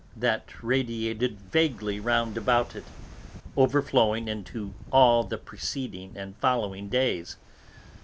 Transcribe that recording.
That radiated vaguely round about it, overflowing into all the preceding and following days.